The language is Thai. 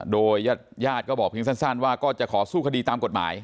โดยญาติก็บอกเพียงสั้นว่าก็จะขอสู้คดีตามกฎหมาย